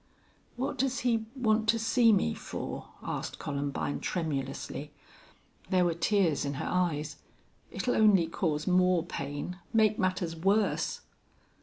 "What does he want to see me for?" asked Columbine, tremulously. There were tears in her eyes. "It'll only cause more pain make matters worse."